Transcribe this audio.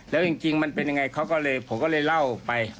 แล้วจริงมันเป็นยังไงเขาก็เลยผมก็เลยเล่าไป